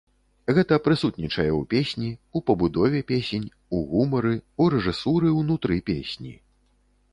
Гэта прысутнічае ў песні, у пабудове песень, у гумары, у рэжысуры ўнутры песні.